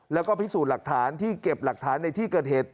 แล้วก็พิสูจน์หลักฐานที่เก็บหลักฐานในที่เกิดเหตุ